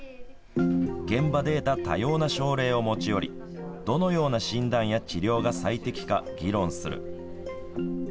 現場で得た多様な症例を持ち寄りどのような診断や治療が最適か議論する。